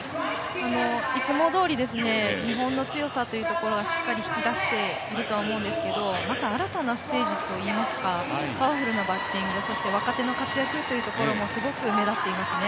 いつもどおり、日本の強さというところはしっかり引き出しているとは思うんですけど、また新たなステージといいますかパワフルなバッティングそして若手の活躍というのもすごく目立っていますね。